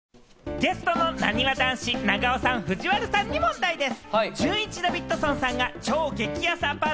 ゲストのなにわ男子、長尾さん、藤原さんに問題です。